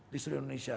di seluruh indonesia